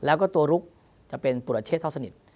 แล้วก็ตัวลุกจะเป็นปุรเชษเท่าสนิท